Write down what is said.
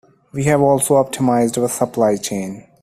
We have also optimised our supply chain.